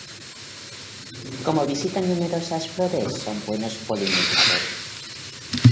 Como visitan numerosas flores son buenos polinizadores.